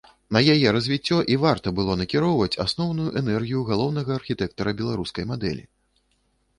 На яе развіццё і варта было накіроўваць асноўную энергію галоўнага архітэктара беларускай мадэлі.